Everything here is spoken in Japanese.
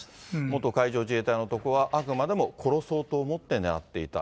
元海上自衛隊の男は、あくまでも殺そうと思って狙っていた。